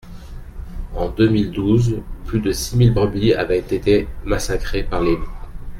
En deux mille douze, plus de six mille brebis avaient été massacrées par les loups.